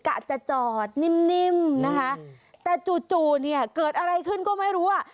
กะจจอดนิ่มแต่จู่เกิดอะไรขึ้นก็ไม่รู้